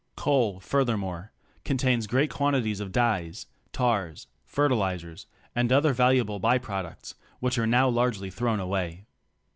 Coal, furthermore, contains great quantities of dyes, tars, fertilizers and other valuable by products, which are now largely thrown away.